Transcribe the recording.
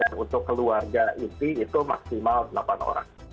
dan untuk keluarga itu maksimal delapan orang